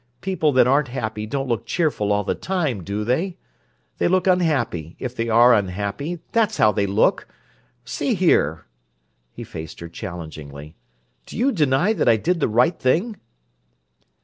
People that aren't happy don't look cheerful all the time, do they? They look unhappy if they are unhappy; that's how they look! See here"—he faced her challengingly—"do you deny that I did the right thing?"